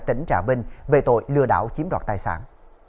tỉnh trà vinh về tội lừa đảo chiếm đoạt tài sản